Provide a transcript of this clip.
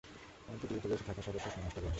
আমি পৃথিবীতে বেঁচে থাকা সর্বশেষ মানুষটা বলছি!